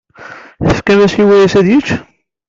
Tefkam-as i wayis ad yečč?